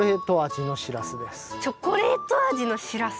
チョコレート味のしらす？